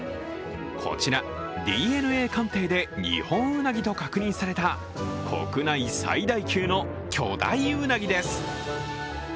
こちら、ＤＮＡ鑑定でニホンウナギと確認された国内最大級の巨大ウナギです。